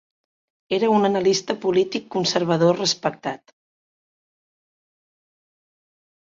Era un analista polític conservador respectat.